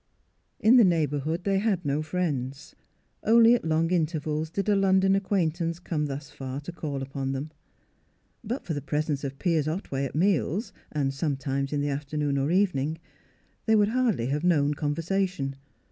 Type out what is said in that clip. In the neighbourhood they had no friends; only at long intervals did a London acquaintance come thus far to call upon them. But for the presence of Piers Otway at meals, and sometimes in the afternoon or evening, they would hardly have known conversation.